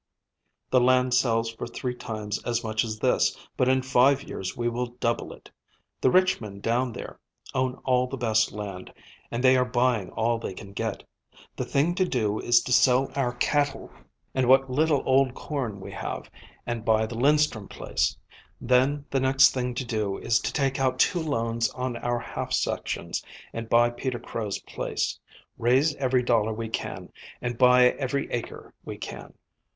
The land sells for three times as much as this, but in five years we will double it. The rich men down there own all the best land, and they are buying all they can get. The thing to do is to sell our cattle and what little old corn we have, and buy the Linstrum place. Then the next thing to do is to take out two loans on our half sections, and buy Peter Crow's place; raise every dollar we can, and buy every acre we can."